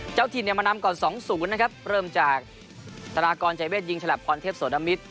เจ้าถิ่นเนี่ยมานำก่อน๒๐นะครับเริ่มจากธนากรใจเวทยิงฉลับพรเทพโสนมิตร